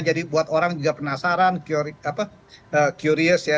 jadi buat orang juga penasaran curious ya